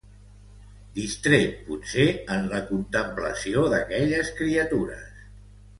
Distret potser en la contemplació d'aquelles criatures